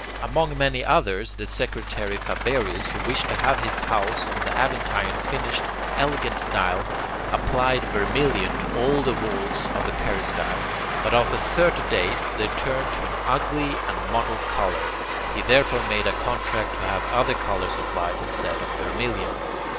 Among many others, the secretary Faberius, who wished to have his house on the Aventine finished in elegant style, applied vermilion to all the walls of the peristyle; but after thirty days they turned to an ugly and mottled colour. He therefore made a contract to have other colours applied instead of vermilion.